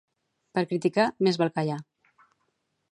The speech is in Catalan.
Per criticar més val callar